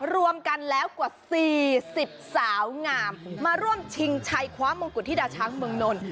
รวมกันแล้วกว่า๔๐สาวงามมาร่วมชิงชัยคว้ามงกุฎธิดาช้างเมืองนนท์